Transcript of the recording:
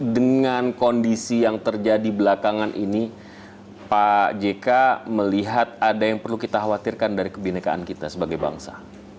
dengan kondisi yang terjadi belakangan ini pak jk melihat ada yang perlu kita khawatirkan dari kebinekaan kita sebagai bangsa